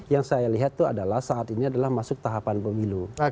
yang saya lihat itu adalah saat ini adalah masuk tahapan pemilu